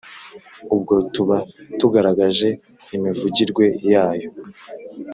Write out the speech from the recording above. ubwo tuba tugaragaje imivugirwe yayo.